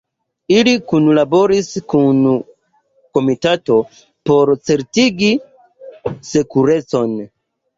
Ili kunlaboris kun komitato por certigi sekurecon.